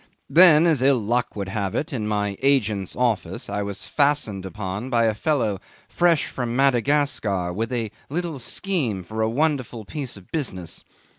Then, as ill luck would have it, in my agent's office I was fastened upon by a fellow fresh from Madagascar with a little scheme for a wonderful piece of business.